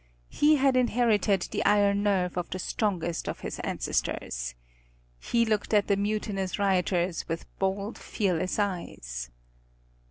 He had inherited the iron nerve of the strongest of his ancestors. He looked at the mutinous rioters with bold, fearless eyes.